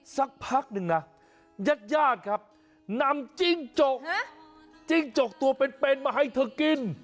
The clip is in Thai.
สักพักหนึ่งนะญาติญาติครับนำจิ้งจกจิ้งจกตัวเป็นมาให้เธอกิน